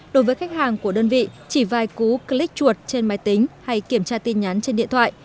đối với khách hàng của đơn vị chỉ vài cú click chuột trên máy tính hay kiểm tra tin nhắn trên điện thoại